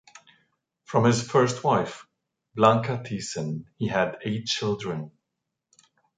From his first wife, Blanca Thesen, he had eight children.